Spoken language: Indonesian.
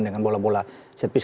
dengan bola bola set piece